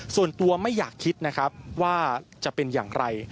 ส่วนตัวไม่อยากคิดนะครับว่าจะเป็นอย่างไร